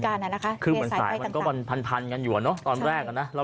การนะนะคะมีสายไฟมันก็พันกันอยู่อ่ะเนาะตอนแรกเนี่ยนะ